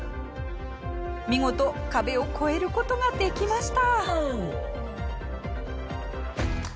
見事壁を越える事ができました。